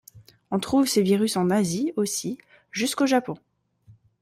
On trouve ces virus en Asie aussi, jusqu'au Japon.